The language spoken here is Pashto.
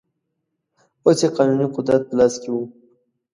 اوس یې قانوني قدرت په لاس کې و.